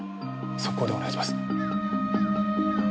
即行でお願いします。